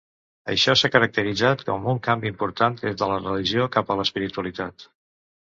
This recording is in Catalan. Això s'ha caracteritzat com un canvi important des de la religió cap a l'espiritualitat.